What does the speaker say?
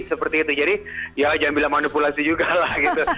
seperti itu jadi ya jangan bilang manipulasi juga lah gitu